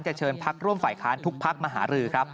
จะเชิญภักดิ์ร่วมฝ่ายค้านทุกภักดิ์มหารือ